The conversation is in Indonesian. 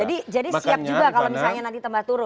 jadi siap juga kalau misalnya nanti tembak turun